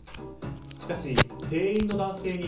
しかし、店員の男性に